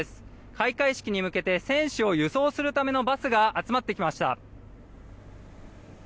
開会式に向けて選手を輸送するためのバスが集まってきました。